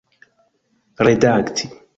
redakti